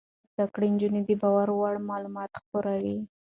زده کړې نجونې د باور وړ معلومات خپروي.